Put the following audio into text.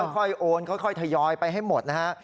โอนค่อยทยอยไปให้หมดนะฮะ